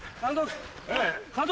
監督